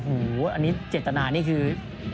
โอ้โหอันนี้เจตนานี่คือ